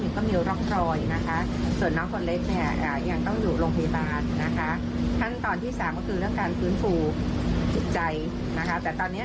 เหมือนกับว่าคือดูแลรักษาร่างกายและฟื้นฟูร์จิตใจ